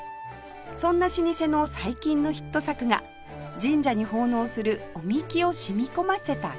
そんな老舗の最近のヒット作が神社に奉納する御神酒をしみ込ませたケーキ